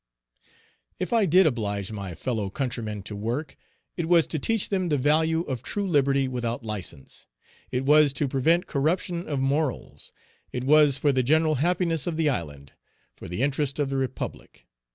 If I did oblige my fellow countrymen to work; it was to teach them the value of true liberty without license; it was to prevent corruption of morals; it was for the general happiness of the island, for the interest of the Republic.